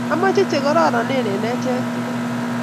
amoche che kororonen eng achek tugul.